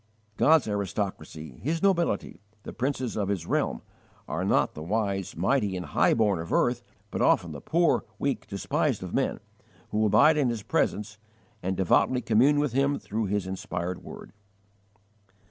God's aristocracy, His nobility, the princes of His realm, are not the wise, mighty, and high born of earth, but often the poor, weak, despised of men, who abide in His presence and devoutly commune with Him through His inspired word.